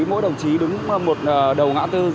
mỗi đồng chí đứng một đầu ngã tư